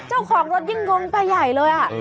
เจ้าของรถยิ่งงงไปใหญ่เลย